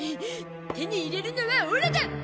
手に入れるのはオラだ！